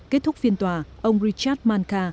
kết thúc phiên tòa ông richard manka